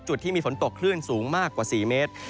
จุดที่มีฝนตกคลื่นสูงมากกว่า๔เมตร